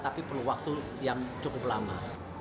tapi perlu waktu yang cukup lama